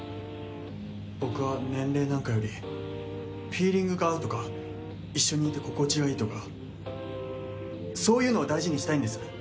僕は年齢なんかよりフィーリングが合うとか一緒にいて心地がいいとかそういうのを大事にしたいんです。